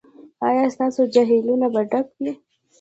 ایا ستاسو جهیلونه به ډک وي؟